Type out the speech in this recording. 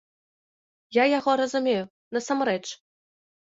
Я яго разумею, насамрэч.